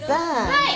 はい。